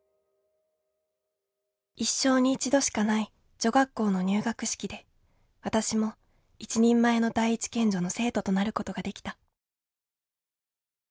一生に一度しかない女学校の入学式で私も一人前の第一県女の生徒となることができた。